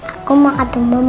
aku mau ketemu mama